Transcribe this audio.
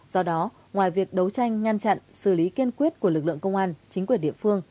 do đó ngoài việc đấu tranh ngăn chặn xử lý kiên quyết của lực lượng công an chính quyền địa phương